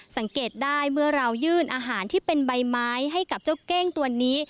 สังเกตได้เมื่อเรายื่นอาหารที่เป็นใบไม้ให้กับเจ้าเก้งตัวนี้